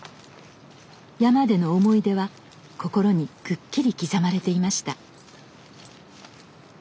山での思い出は心にくっきり刻まれていました。